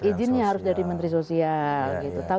ijinnya harus dari kementerian sosial gitu